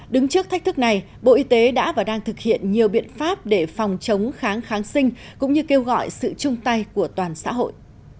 đứng trước thách thức này bộ y tế đã và đang thực hiện nhiều biện pháp để phòng chống kháng kháng sinh cũng như kêu gọi sự chung tay của toàn xã hội